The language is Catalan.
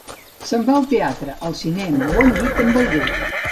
Se'n va al teatre, al cinema o al llit amb algú.